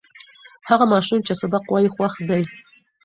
هغه ماشوم چې سبق وایي، خوښ دی.